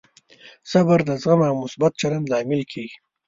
صبر د زغم او مثبت چلند لامل کېږي.